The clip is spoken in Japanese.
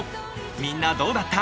みんなどうだった？